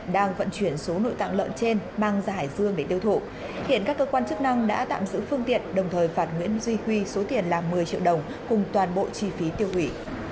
đồng thời phạt nguyễn duy huy số tiền là một mươi triệu đồng cùng toàn bộ chi phí tiêu quỷ